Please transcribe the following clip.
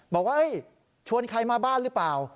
บอกว่าชวนใครมาบ้านหรือเปล่า